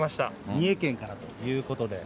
三重県からということで。